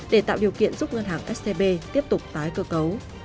để tạo điều kiện giúp ngân hàng scb tiếp tục tái cơ cấu